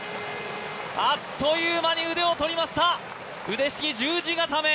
あっという間に腕を取りました、腕ひしぎ十字固め。